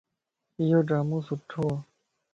ايوڊرامو سڻھوَ